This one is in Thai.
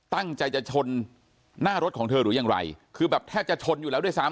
ตั้งใจจะชนหน้ารถของเธอหรือยังไรคือแบบแทบจะชนอยู่แล้วด้วยซ้ำ